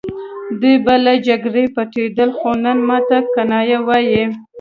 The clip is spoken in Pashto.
دوی به له جګړې پټېدل خو نن ماته کنایه وايي